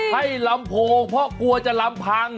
ให้ลำโพงเพราะกลัวจะลำพัง